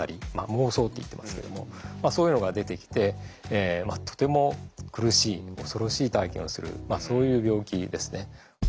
妄想って言ってますけどもそういうのが出てきてとても苦しい恐ろしい体験をするそういう病気ですね。